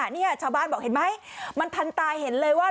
นี่ชาวบ้านบอกเห็นไหมมันทันตาเห็นเลยว่า